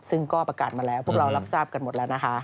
ซึ่งก็ประกาศมาแล้วพวกเรารับทราบกันหมดแล้วนะคะ